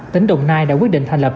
tỉnh đồng nai đã quyết định thành lập